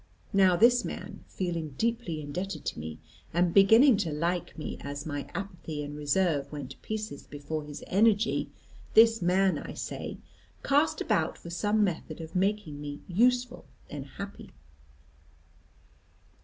Now, this man, feeling deeply indebted to me, and beginning to like me as my apathy and reserve went to pieces before his energy, this man, I say, cast about for some method of making me useful and happy.